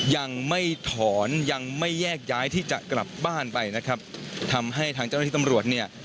ยังไม่ถอนยังไม่แยกย้ายที่จะกลับบ้านไปนะครับทำให้ทางเจ้าหน้าที่ตำรวจเนี่ย